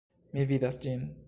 Mi vidas ĝin!